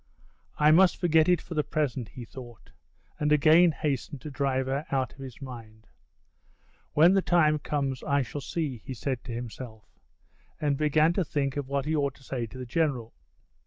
"I must forget it for the present," he thought, and again hastened to drive her out of his mind. "When the time comes I shall see," he said to himself, and began to think of what he ought to say to the General.